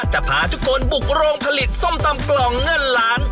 พาทุกคนบุกโรงผลิตส้มตำกล่องเงินล้าน